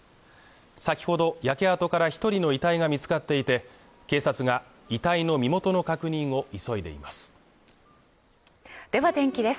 先ほど焼け跡から一人の遺体が見つかっていて警察が遺体の身元の確認を急いでいますでは天気です